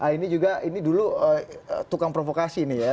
ini juga dulu tukang provokasi ini ya